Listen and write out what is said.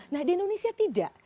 nah di indonesia tidak